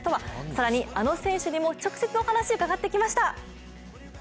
更にあの選手にも直接お話を伺ってきました。